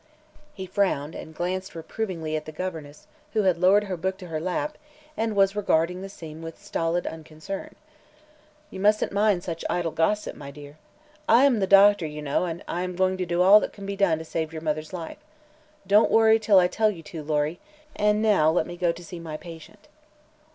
He frowned and glanced reprovingly at the governess, who had lowered her book to her lap and was regarding the scene with stolid unconcern. "You mustn't mind such idle gossip, my dear. I am the doctor, you know, and I am doing all that can be done to save your mother's life. Don't worry until I tell you to, Lory; and now let me go to see my patient."